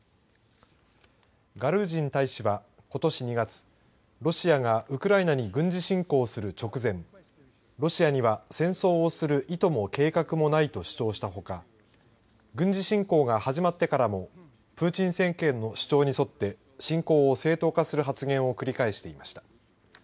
ガルージン大使は、ことし２月ロシアがウクライナに軍事侵攻する直前ロシアには戦争をする意図も計画もないと主張したほか軍事侵攻が始まってからもプーチン政権の主張に沿って侵攻を正当化する発言を繰り返していました。